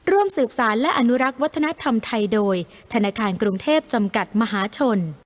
ร่วมสืบสารและอนุรักษ์วัฒนธรรมไทยโดยธนาคารกรุงเทพจำกัดมหาชน